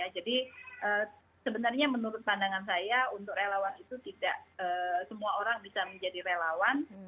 jadi sebenarnya menurut pandangan saya untuk relawan itu tidak semua orang bisa menjadi relawan